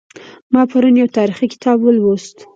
ما پرون یو تاریخي کتاب ولوست